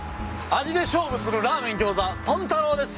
「味で勝負するラーメンギョーザ豚太郎」です。